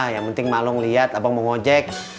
yang penting mak long liat abang mau ojek